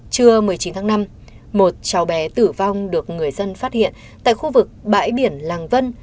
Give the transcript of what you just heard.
trưa một mươi chín tháng năm một cháu bé tử vong được người dân phát hiện tại khu vực bãi biển làng vân